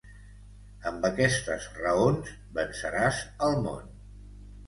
Amb aquestes raons venceràs el món.